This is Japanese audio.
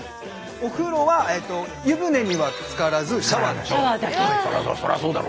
お風呂は湯船にはつからずシャワーだけ。